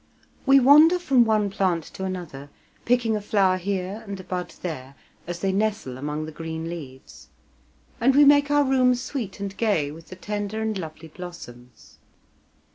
We wander from one plant to another picking a flower here and a bud there, as they nestle among the green leaves, and we make our rooms sweet and gay with the tender and lovely blossoms.